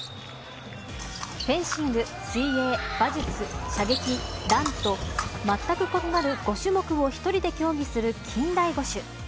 フェンシング、水泳馬術、射撃、ランと全く異なる５種目を１人で競技する近代五種。